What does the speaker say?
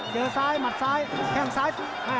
เจอซ้ายหรือส้ายมัดซ้าย